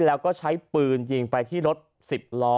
แล้วก็ใช้ปืนยิงไปที่รถ๑๐ล้อ